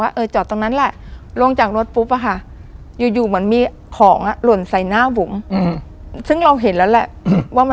ไปถึงวัดอะพี่แจ๊มันเป็นวัด